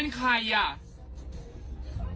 โอเค